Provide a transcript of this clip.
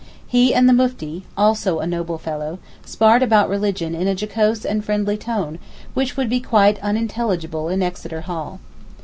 He and the Mufti, also a noble fellow, sparred about religion in a jocose and friendly tone which would be quite unintelligible in Exeter Hall.